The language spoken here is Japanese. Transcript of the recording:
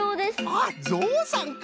あっぞうさんか！